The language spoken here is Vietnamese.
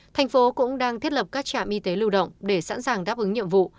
thành phố cũng đang thiết lập các trạm y tế lưu động để sẵn sàng đáp ứng nhiệm vụ